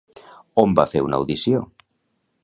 On va fer una audició?